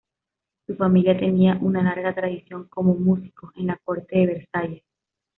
Su familia tenía una larga tradición como músicos en la corte de Versalles.